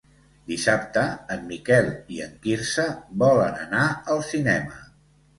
Dissabte en Miquel i en Quirze volen anar al cinema.